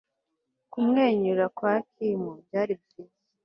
kumwenyura kwa kim byari byiza